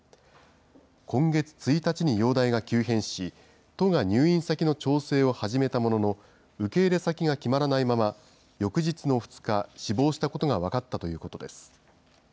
今月１日に容体が急変し、都が入院先の調整を始めたものの、受け入れ先が決まらないまま、翌日の２日、死亡したことが分かったということです。